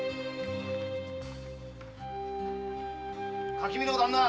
・垣見の旦那！